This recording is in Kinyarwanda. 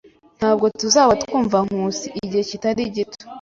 Ntabwo tuzaba twumva Nkusi igihe kitari gito.